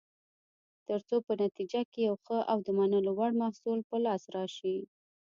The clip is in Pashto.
ترڅو په نتیجه کې یو ښه او د منلو وړ محصول په لاس راشي.